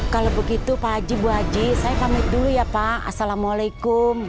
kalau begitu pak haji bu aji saya pamit dulu ya pak assalamualaikum